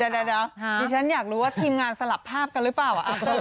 เดี๋ยวดิฉันอยากรู้ว่าทีมงานสลับภาพกันหรือเปล่า